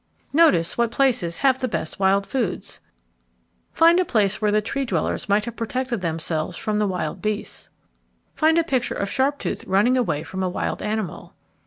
_ Notice what places have the best wild foods. Find a place where the Tree dwellers might have protected themselves from the wild beasts. _Find a picture of Sharptooth running away from a wild animal.